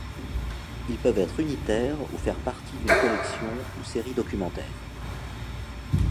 Ils peuvent être unitaires ou faire partie d'une collection ou série documentaire.